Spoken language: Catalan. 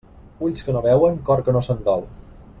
Ulls que no veuen, cor que no se'n dol.